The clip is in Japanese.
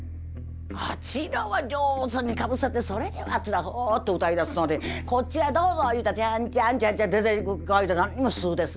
あちらは上手にかぶせて「それでは」って言うたら「ほ」って歌い出すのにこっちは「どうぞ」言うたら「チャンチャンチャン」出ていく何にも素です。